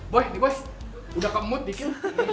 boy boy udah ke mood dikit